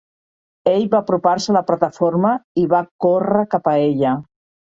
"Ell va apropar-se a la plataforma i va córrer cap a ella."